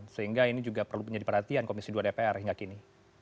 sehingga ini juga perlu menjadi perhatian komisi dua dpr hingga kini